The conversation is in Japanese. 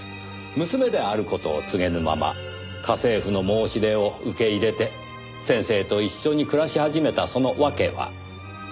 娘である事を告げぬまま家政婦の申し出を受け入れて先生と一緒に暮らし始めたそのわけは？